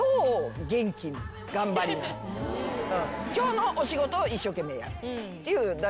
今日のお仕事を一生懸命やるっていうだけなんで。